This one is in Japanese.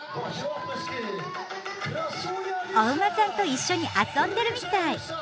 お馬さんと一緒に遊んでるみたい！